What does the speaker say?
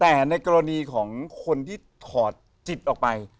แต่ในกรณีของคนที่ถอดจิตออกไป